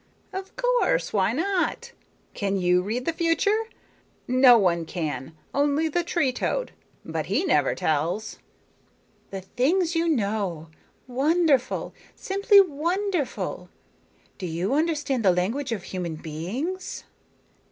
"Of course. Why not? Can you read the future? No one can. Only the tree toad, but he never tells." "The things you know! Wonderful, simply wonderful! Do you understand the language of human beings?"